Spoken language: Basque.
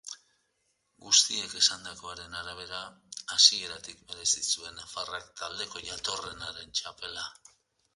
Guztiek esandakoaren arabera, hasieratik merezi zuen nafarrak taldeko jatorrenaren txapela.